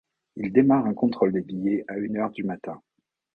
Il démarre un contrôle des billets à une heure du matin.